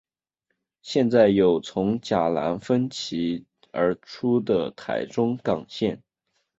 现在有从甲南分歧而出的台中港线。